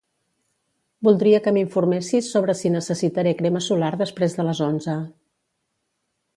Voldria que m'informessis sobre si necessitaré crema solar després de les onze.